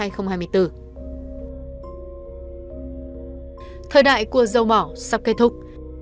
thời đại của dầu mỏ sắp kết thúc